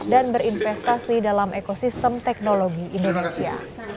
dan berinvestasi dalam ekosistem teknologi indonesia